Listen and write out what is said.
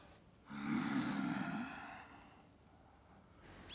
うん。